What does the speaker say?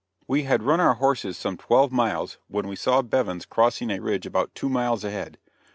We had run our horses some twelve miles when we saw Bevins crossing a ridge about two miles ahead.